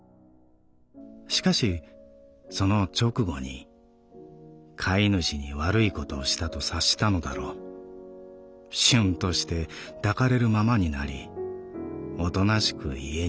しかしその直後に飼い主に悪いことをしたと察したのだろうしゅんとして抱かれるままになりおとなしく家に戻った。